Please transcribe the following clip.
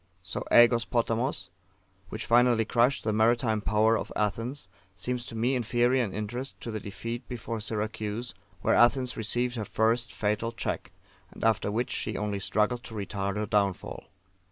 So, AEgos Potamos, which finally crushed the maritime power of Athens, seems to me inferior in interest to the defeat before Syracuse, where Athens received her first fatal check, and after which she only struggled to retard her downfall.